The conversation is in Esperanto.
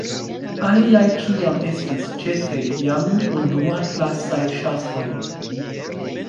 Aliaj ĉiam estis ĉefe viand-unuaklasaj ŝafoj.